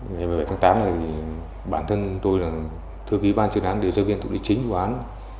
ngày bảy tháng tám bản thân tôi là thư viên ban chuyên án điều tra viên tục định chính của án